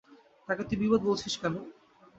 তাকে তুই বিপদ বলছিস কেন?